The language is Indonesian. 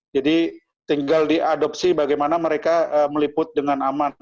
jadi tinggal diadopsi bagaimana mereka meliput dengan aman